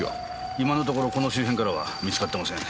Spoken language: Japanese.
今のところこの周辺からは見つかってません。